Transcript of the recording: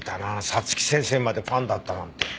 早月先生までファンだったなんて。